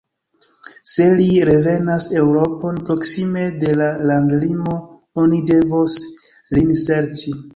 Se li revenas Eŭropon, proksime de la landlimo oni devos lin serĉi.